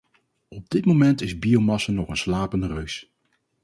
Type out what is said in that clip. Op dit moment is biomassa nog een slapende reus.